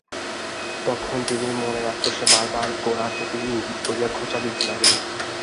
তখন তিনি মনের আক্রোশে বার বার গোরার প্রতি ইঙ্গিত করিয়া খোঁচা দিতে লাগিলেন।